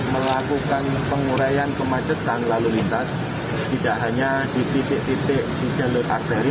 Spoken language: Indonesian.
melakukan penguraian kemacetan lalu lintas tidak hanya di titik titik di jalur arteri